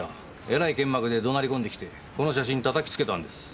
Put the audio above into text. えらい剣幕で怒鳴り込んできてこの写真叩きつけたんです。